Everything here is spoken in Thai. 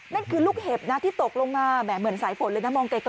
นั่นคือลูกเห็บนะที่ตกลงมาแหมเหมือนสายฝนเลยนะมองไกล